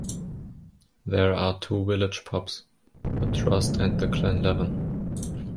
There are two village pubs, the Trust and the Glenleven.